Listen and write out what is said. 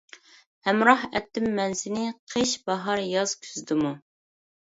ھەمراھ ئەتتىم مەن سېنى، قىش، باھار، ياز، كۈزدىمۇ.